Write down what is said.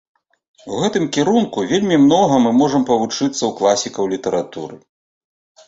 У гэтым кірунку вельмі многа мы можам павучыцца ў класікаў літаратуры.